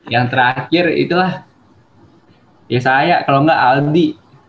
yang terakhir itulah yesaya kalo ngga aldi